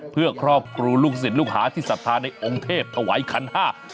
เพื่อครอบครูลูกศิษย์ลูกหาที่ศรัทธาในองค์เทพถวายคันห้า